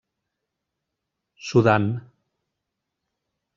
Sudan.